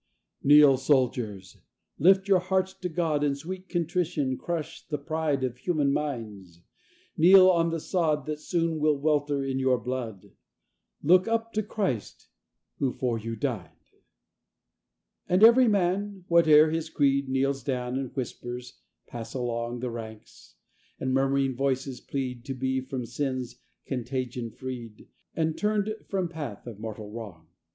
"Kneel, soldiers; lift your hearts to God, In sweet contrition crush the pride Of human minds; kneel on the sod That soon will welter in your blood Look up to Christ, who for you died." And every man, whate'er his creed, Kneels down, and whispers pass along The ranks, and murmuring voices plead To be from sin's contagion freed And turned from path of mortal wrong.